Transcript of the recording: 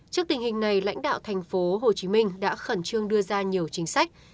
trước tình hình này lãnh đạo tp hcm đã khẩn trương đưa ra nhiều chính sách